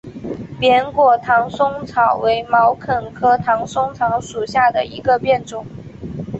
扁果唐松草为毛茛科唐松草属下的一个变种。